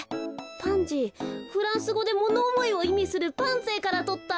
パンジーフランスごでものおもいをいみするパンゼーからとった。